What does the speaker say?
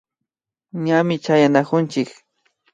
Ñami chayanakunchik